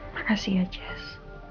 makasih ya jess